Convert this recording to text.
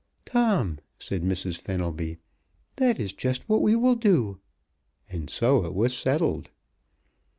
"Tom," said Mrs. Fenelby, "that is just what we will do!" And so it was settled.